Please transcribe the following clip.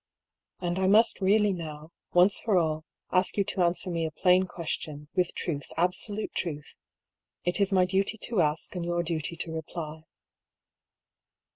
" And I must really now, once for all, ask you to answer me a plain question, with truth, absolute truth. It is my duty to ask, and your duty to reply."